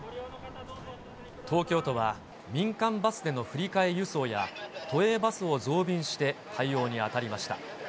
東京都は民間バスでの振り替え輸送や都営バスを増便して対応に当たりました。